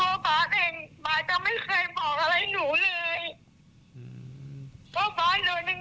ว่าบาสโดนยังไงบาสโดนดีแบบไหนและอีกอย่างหนูก็ไม่เคยไปทำอะไรให้พวกเขากลัวหรือว่าเกลียดหนูเลย